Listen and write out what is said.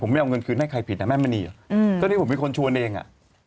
ผมไม่เอาเงินคืนให้ใครผิดนะแม่มะนี่อ่ะก็นี่ผมมีคนชวนเองอ่ะ